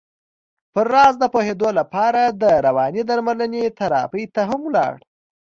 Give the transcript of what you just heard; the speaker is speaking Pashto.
پر راز د پوهېدو لپاره د روانې درملنې تراپۍ ته هم ولاړ.